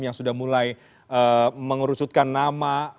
yang sudah mulai mengerucutkan nama